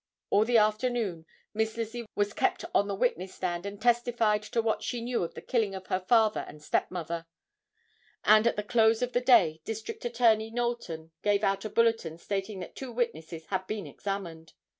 All the afternoon Miss Lizzie was kept on the witness stand and testified to what she knew of the killing of her father and stepmother; and at the close of the day District Attorney Knowlton gave out a bulletin stating that two witnesses had been examined.